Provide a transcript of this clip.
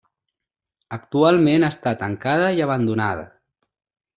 Actualment està tancada i abandonada.